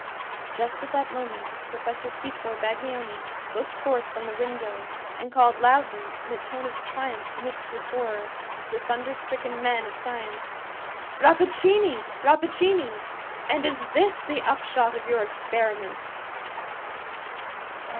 Just at that moment Professor Pietro Baglioni looked forth from the window, and called loudly, in a tone of triumph mixed with horror, to the thunderstricken man of science, "Rappaccini! Rappaccini! and is this the upshot of your experiment!"